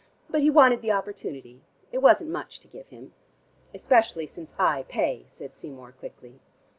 But he wanted the opportunity: it wasn't much to give him." "Especially since I pay," said Seymour quickly.